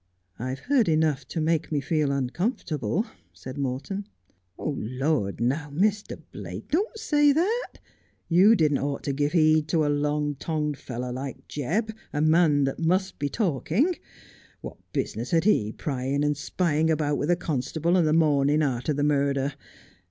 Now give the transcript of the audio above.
' I've heard enough to make me feel uncomfortable,' said Morton. ' Lord, now, Mr. Blake, don't say that. You didn't ought to give heed to a long tongued fellow like Jebb, a man that must A Plea for the Prisoner. 85 be talking. What business had he prying and spying about with the constable on the morning arter the murder